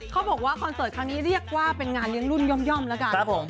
เขาบอกว่าคอนเสิร์ตครั้งนี้เรียกว่าเป็นงานยังรุ่นย่อมละกัน